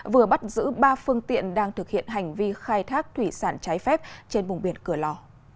vừa bắt giữ ba phương tiện đang thực hiện hành vi khai thác thủy sản trái phép trên vùng biển cửa lò